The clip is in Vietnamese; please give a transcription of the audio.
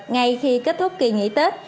ngay khi kết thúc kỳ nghỉ tết